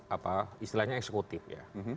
apa istilahnya eksekutif ya